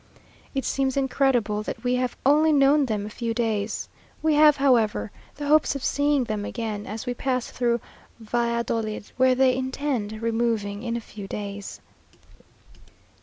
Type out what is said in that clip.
It seems incredible that we have only known them a few days. We have, however, the hopes of seeing them again as we pass through Valladolid, where they intend removing in a few days.